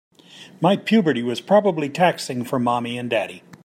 My puberty was probably taxing for mommy and daddy.